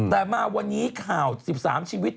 แต่มาวันนี้ข่าว๑๓ชีวิต